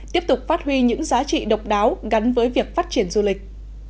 tiếp tục phát huy những giá trị độc đáo gắn với việc phát triển du lịch